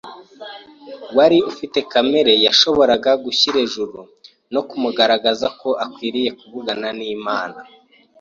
wari ufite kamere yashoboraga gushyira ejuru no kumugaragaza ko akwiriye kuvugana n’Imana